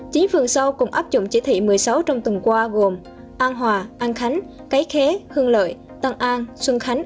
chính phường sau cũng áp dụng chỉ thị một mươi sáu trong tuần qua gồm an hòa an khánh cáy khé hưng lợi tân an xuân khánh